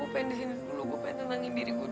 gue pengen di sini dulu gue pengen tenangin diri gue dulu